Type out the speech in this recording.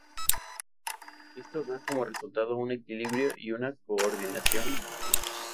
Esto da como resultado un equilibrio y una coordinación pobres.